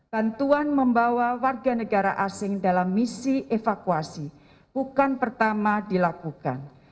bantuan membawa warga negara asing dalam misi evakuasi bukan pertama dilakukan